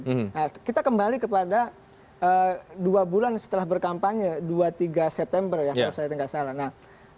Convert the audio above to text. nah kita kembali kepada dua bulan setelah berkampanye dua puluh tiga september ya kalau saya tidak salah